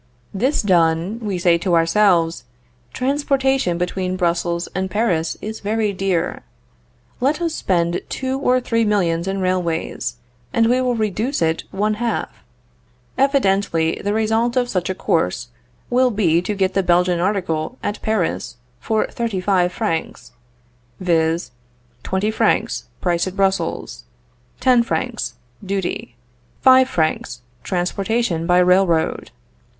This done, we say to ourselves: Transportation between Brussels and Paris is very dear; let us spend two or three millions in railways, and we will reduce it one half. Evidently the result of such a course will be to get the Belgian article at Paris for thirty five francs, viz: 20 francs price at Brussels. 10 " duty. 5 " transportation by railroad.